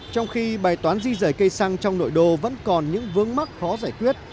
trong khi bài toán di rời cây xăng trong nội đô vẫn còn những vướng mắc khó giải quyết